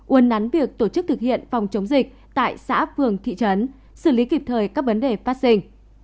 un nắn việc tổ chức thực hiện phòng chống dịch tại xã phường thị trấn xử lý kịp thời các vấn đề phát sinh